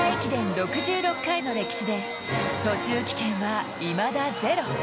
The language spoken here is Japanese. ６６回の歴史で途中棄権はいまだゼロ。